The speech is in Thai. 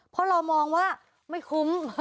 เพราะเรามองว่าไม่คุ้ม